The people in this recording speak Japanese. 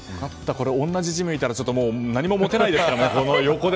同じジムにいたら何も持てないですよね。